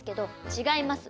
違います！